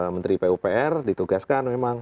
menteri pupr ditugaskan memang